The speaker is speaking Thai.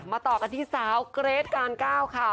ต่อกันที่สาวเกรทการก้าวค่ะ